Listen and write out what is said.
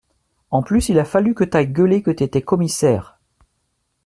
En plus il a fallu que t’ailles gueuler que t’étais commissaire